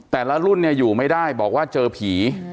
แต่ละรุ่นเนี่ยอยู่ไม่ได้บอกว่าเจอผี